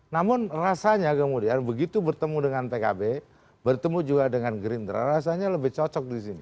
namun rasanya kemudian begitu bertemu dengan pkb bertemu juga dengan gerindra rasanya lebih cocok di sini